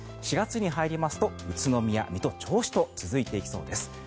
４月に入りますと宇都宮、水戸、銚子と続いていきそうです。